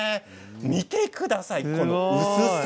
見てください、この薄さ。